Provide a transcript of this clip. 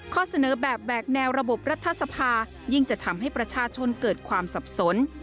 เสนอแบบแบกแนวระบบรัฐสภายิ่งจะทำให้ประชาชนเกิดความสับสน